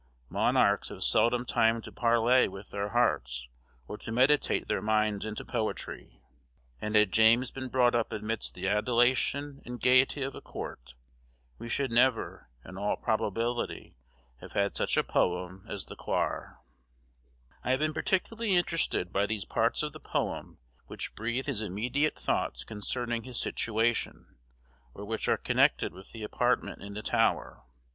Monarchs have seldom time to parley with their hearts or to meditate their minds into poetry; and had James been brought up amidst the adulation and gayety of a court, we should never, in all probability, have had such a poem as the Quair. * Quair, an old term for book. I have been particularly interested by those parts of the poem which breathe his immediate thoughts concerning his situation, or which are connected with the apartment in the Tower.